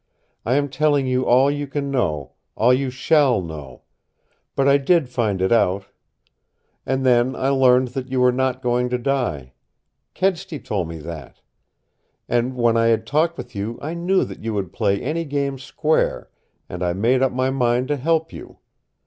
I am telling you all you can know, all you SHALL know. But I did find it out. And then I learned that you were not going to die. Kedsty told me that. And when I had talked with you I knew that you would play any game square, and I made up my mind to help you.